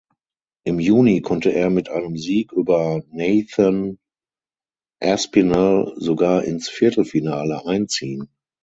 Im Juni konnte er mit einem Sieg über Nathan Aspinall sogar ins Viertelfinale einziehen.